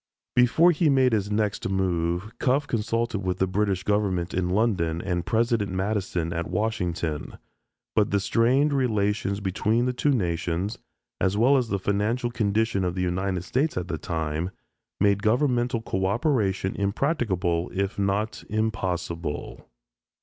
Before he made his next move, Cuffe consulted with the British Government in London and President Madison at Washington. But the strained relations between the two nations, as well as the financial condition of the United States at the time, made governmental coöperation impracticable if not impossible.